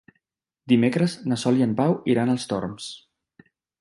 Dimecres na Sol i en Pau iran als Torms.